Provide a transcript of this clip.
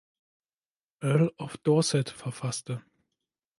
Earl of Dorset verfasste.